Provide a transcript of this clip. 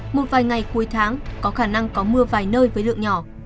một vài ngày cuối tháng có khả năng có mưa vài nơi với lượng nhỏ